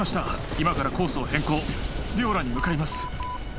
今からコースを変更ディオラに向かいます